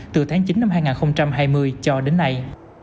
từ tháng chín năm hai nghìn hai mươi cho đến nay